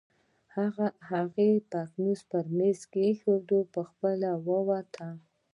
هغې پتنوس پر مېز کېښود، خپله ووته.